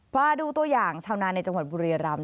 มาดูตัวอย่างชาวนาในจังหวัดบุรีรำ